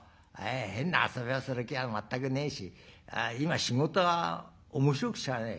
変な遊びをする気は全くねえし今仕事は面白くてしゃあねえ。